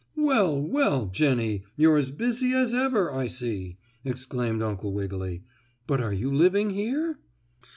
"Well, well, Jennie, you're as busy as ever, I see!" exclaimed Uncle Wiggily. "But are you living here?"